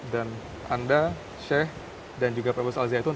dan anda sheikh dan juga pak bersal zaitun